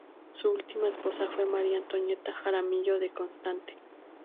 Su última esposa fue María Antonieta Jaramillo de Constante.